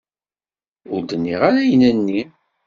Ur d-nniɣ ara ayen-nni.